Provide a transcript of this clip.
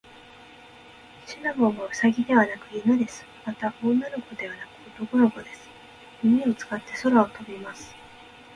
シナモンはウサギではなく犬です。また、女の子ではなく男の子です。耳を使って空を飛びます。